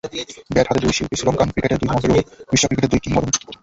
Bat হাতে দুই শিল্পী, শ্রীলঙ্কান ক্রিকেটের দুই মহিরুহ, বিশ্ব ক্রিকেটের দুই কিংবদন্তি।